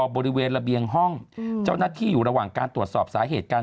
บริเวณระเบียงห้องเจ้าหน้าที่อยู่ระหว่างการตรวจสอบสาเหตุการ